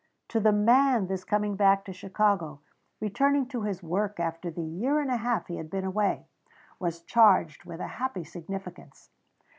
To the man this coming back to Chicago, returning to his work after the year and a half he had been away, was charged with a happy significance.